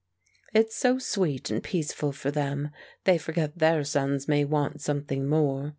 "It's so sweet and peaceful for them, they forget their sons may want something more.